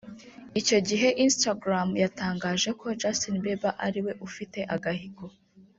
Icyo gihe Instagram yatangaje ko Justin Bieber ari we ufite agahigo